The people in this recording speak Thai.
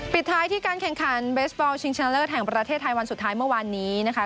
ปิดท้ายที่การแข่งขันเบสบอลชิงชนะเลิศแห่งประเทศไทยวันสุดท้ายเมื่อวานนี้นะคะ